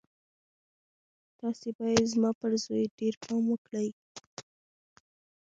تاسې بايد زما پر زوی ډېر پام وکړئ.